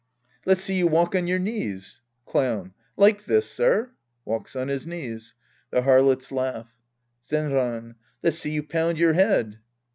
Let's see you walk on your knees. Clown. Like this, sir ? {Walks on his knees. The Harlots laugh.) Zenran. Let's see you pound your head.